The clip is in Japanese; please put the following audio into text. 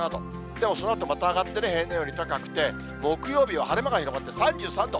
でもそのあとまた上がって平年より高くて、木曜日は晴れ間が広がって、３３度。